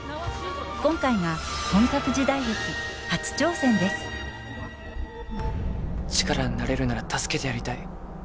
今回が力になれるなら助けてやりたい。